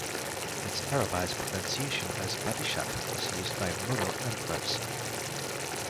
Its Arabized pronunciation as Badishah was used by Mughal emperors.